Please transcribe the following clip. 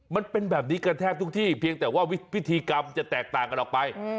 มันเป็นแบบนี้กันแทบทุกที่เพียงแต่ว่าพิธีกรรมจะแตกต่างกันออกไป